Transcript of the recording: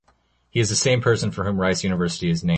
He is the same person for whom Rice University is named.